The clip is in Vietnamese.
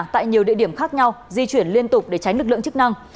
tại nhiều địa điểm khác nhau di chuyển liên tục để tránh lực lượng chức năng